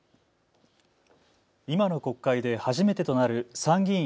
今の国会で初めてとなる参議院